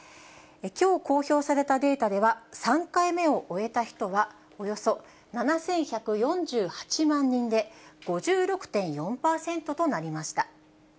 きょう公表されたデータでは、３回目を終えた人はおよそ７１４８万人で、５６．４％となりました。